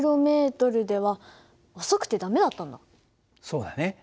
そうだね。